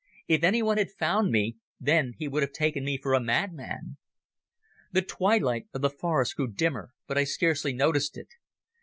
If anyone had found me then he would have taken me for a madman. The twilight of the forest grew dimmer, but I scarcely noticed it.